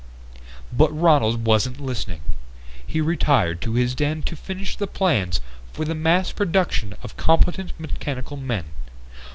But Ronald wasn't listening. He retired to his den to finish the plans for the mass production of competent mechanical men.